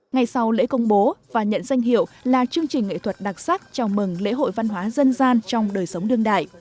ngày sau lễ công bố và nhận danh hiệu là chương trình nghệ thuật đặc sắc chào mừng lễ hội văn hóa dân gian trong đời sống đương đại